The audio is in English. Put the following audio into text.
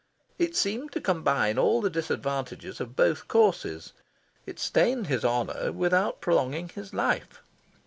It seemed to combine all the disadvantages of both courses. It stained his honour without prolonging his life.